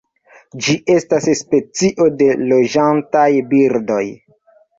Ĝi estas specio de loĝantaj birdoj.